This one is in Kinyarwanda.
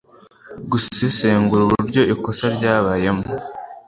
gusesengura uburyo ikosa ryabayemo